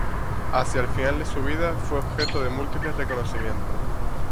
Hacia el final de su vida fue objeto de múltiples reconocimientos.